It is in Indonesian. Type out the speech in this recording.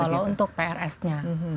kalau untuk prs nya